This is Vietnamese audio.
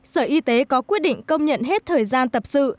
sở y tế có quyết định công nhận hết thời gian tập sự